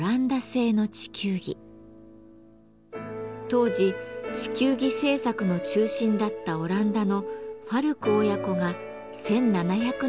当時地球儀制作の中心だったオランダのファルク親子が１７００年に作ったものです。